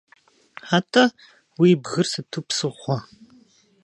АтӀэ, уи бгыр сыту псыгъуэ?